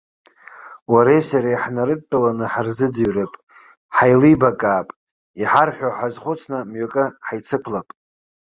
Уареи сареи ҳнарыдтәаланы ҳарзыӡырҩып, ҳаилибакаап, иҳарҳәо ҳазхәыцны, мҩакы ҳаицықәлап!